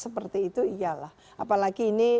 seperti itu iyalah apalagi ini